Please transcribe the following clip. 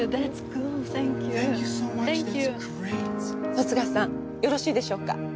十津川さんよろしいでしょうか？